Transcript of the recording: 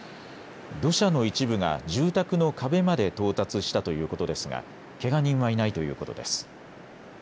土砂の一部が住宅の壁まで到達したということですがけが人はいないということです。